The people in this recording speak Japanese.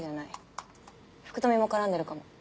福富も絡んでるかも。